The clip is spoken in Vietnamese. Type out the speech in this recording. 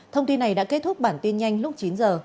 thông tin này đã kết thúc bản tin nhanh lúc chín giờ